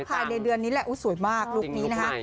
ภายในเดือนนี้แหละสวยมากลุคนี้นะคะ